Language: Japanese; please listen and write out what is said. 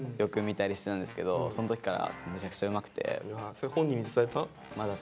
それ本人に伝えた？